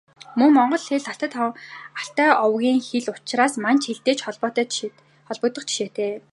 Мөн Монгол хэл Алтай овгийн хэл учраас Манж хэлтэй ч холбогдох жишээтэй.